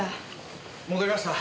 戻りました。